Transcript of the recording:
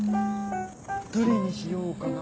どれにしようかな。